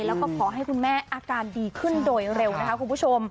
แล้วก็ขอให้คุณแม่อาการดีขึ้นโดยเร็วนะคะคุณผู้ชม